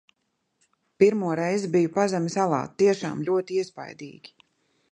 Pirmo reizi biju pazemes alā - tiešām ļoti iespaidīgi!